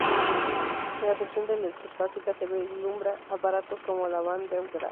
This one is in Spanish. En la sección de electrostática se vislumbra aparatos como la Van Der Graaff.